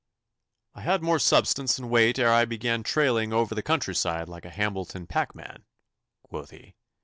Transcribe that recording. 'I had more substance and weight ere I began trailing over the countryside like a Hambledon packman,' quoth he.